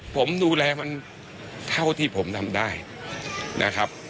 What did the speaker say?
ผมดูแลมันเท่าที่ผมทำได้นะครับ